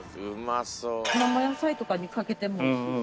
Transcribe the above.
生野菜とかにかけてもおいしいしね。